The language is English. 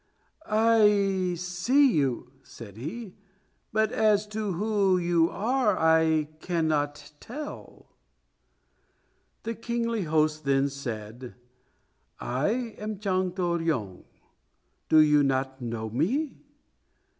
"I see you," said he, "but as to who you are I cannot tell." The kingly host then said, "I am Chang To ryong. Do you not know me?"